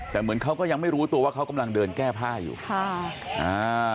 แต่เหมือนเขาก็ยังไม่รู้ตัวว่าเขากำลังเดินแก้ผ้าอยู่ค่ะอ่า